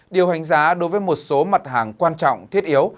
điều hành giá đối với một số mặt hàng quan trọng thiết yếu